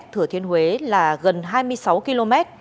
thừa thiên huế là gần hai mươi sáu km